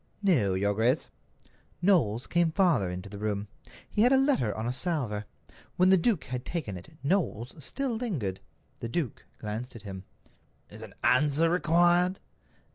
"No, your grace." Knowles came farther into the room. He had a letter on a salver. When the duke had taken it, Knowles still lingered. The duke glanced at him. "Is an answer required?"